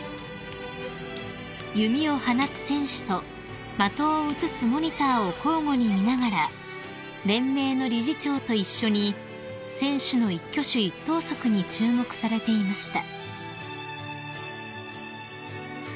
［弓を放つ選手と的を映すモニターを交互に見ながら連盟の理事長と一緒に選手の一挙手一投足に注目されていました］